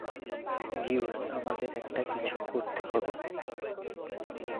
Zeus, আমাদের একটা কিছু করতে হবে।